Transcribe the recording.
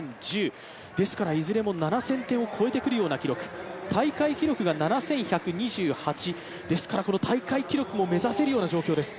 ですから、いずれも７０００点を超えてくるような記録、大会記録が７１２８、ですから大会記録も目指せるような状況です。